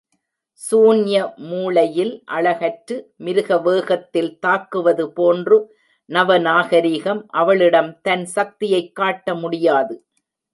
சூன்ய மூளையில், அழகற்று மிருகவேகத்தில் தாக்குவது போன்று நவநாகரிகம், அவளிடம் தன் சக்தியைக் காட்டமுடியாது.